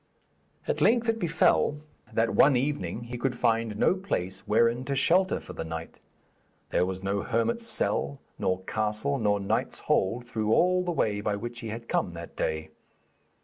At length it befell that one evening he could find no place wherein to shelter for the night; there was no hermit's cell nor castle nor knight's hold through all the way by which he had come that day.